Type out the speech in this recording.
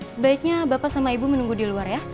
sebaiknya bapak sama ibu menunggu di luar ya